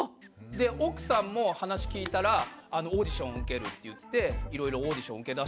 で奥さんも話聞いたらオーディション受けるって言っていろいろオーディション受けだしたときも全く何も言われてなかったって。